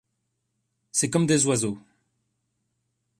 C’est comme des oiseaux.